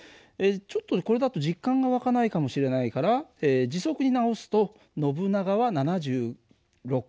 ちょっとこれだと実感が湧かないかもしれないから時速に直すとノブナガは７６ｋｍ／ｈ。